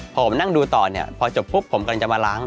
ผมนั่งดูต่อเนี่ยพอจบปุ๊บผมกำลังจะมาล้าง